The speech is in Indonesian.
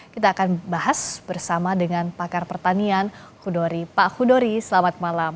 kita akan bahas bersama dengan pakar pertanian pak hudori selamat malam